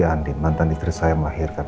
andi mantan istri saya melahirkan